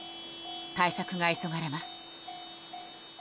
対策が急がれます。